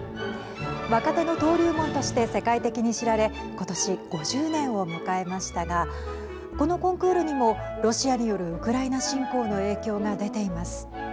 若手の登竜門として世界的に知られ今年、５０年を迎えましたがこのコンクールにもロシアによるウクライナ侵攻の影響が出ています。